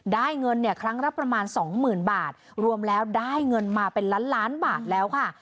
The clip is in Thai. ได้เงินเนี่ยครั้งละประมาณสองหมื่นบาทรวมแล้วได้เงินมาเป็นล้านล้านบาทแล้วค่ะ